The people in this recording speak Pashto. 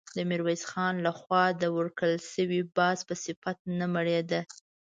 د ميرويس خان له خوا د ورکړل شوي باز په صفت نه مړېده.